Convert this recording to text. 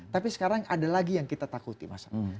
tapi sekarang ada lagi yang kita takuti masa